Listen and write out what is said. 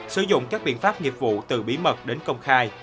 sử dụng các biện pháp nghiệp vụ từ bí mật đến công khai